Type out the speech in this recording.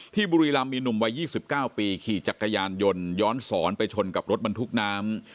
บุรีรำมีหนุ่มวัย๒๙ปีขี่จักรยานยนต์ย้อนสอนไปชนกับรถบรรทุกน้ำ